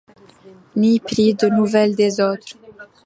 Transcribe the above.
Ni pris de nouvelles des autres.